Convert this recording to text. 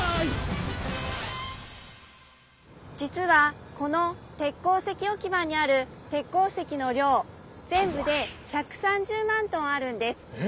じつはこの鉄鉱石おき場にある鉄鉱石の量ぜんぶで１３０万トンあるんです。え！